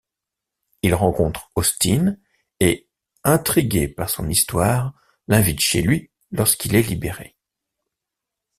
Il rencontre Austin et, intrigué par son histoire, l'invite chez lui lorsqu'il est libéré.